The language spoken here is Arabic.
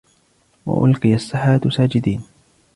وَأُلْقِيَ السَّحَرَةُ سَاجِدِينَ